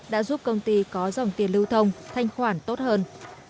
đã giúp công ty có dòng tiền lưu thông thanh khoản tốt hơn